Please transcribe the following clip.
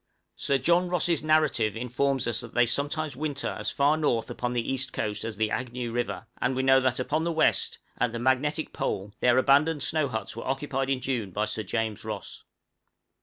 Sir John Ross' 'Narrative' informs us that they sometimes winter as far north upon the east coast as the Agnew River; and we know that upon the west, at the magnetic pole, their abandoned snow huts were occupied in June by Sir James Ross.